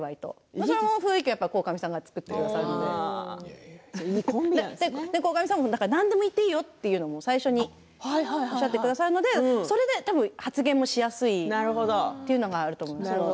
その雰囲気は鴻上さんが作ってくださるので鴻上さんも何でも言っていいよっていうのも最初におっしゃってくださるのでそれで発言もしやすいというのがあると思います。